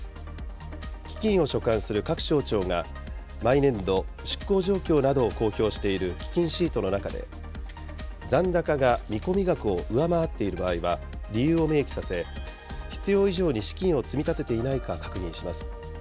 基金を所管する各省庁が、毎年度、執行状況などを公表している基金シートの中で、残高が見込み額を上回っている場合は理由を明記させ、必要以上に資金を積み立てていないか確認します。